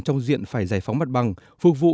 trong diện phải giải phóng mặt bằng phục vụ